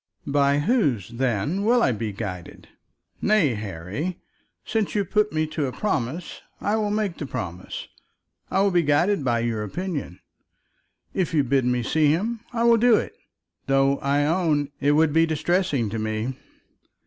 "By whose, then, will I be guided? Nay, Harry, since you put me to a promise, I will make the promise. I will be guided by your opinion. If you bid me see him, I will do it, though, I own, it would be distressing to me."